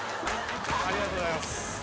ありがとうございます。